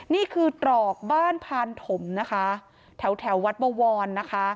นี่คือตรอกบ้านพานถมนะคะแถวแถววัดบวรนะคะ